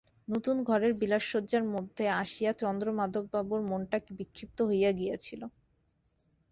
নূতন ঘরের বিলাসসজ্জার মধ্যে আসিয়া চন্দ্রমাধববাবুর মনটা বিক্ষিপ্ত হইয়া গিয়াছিল।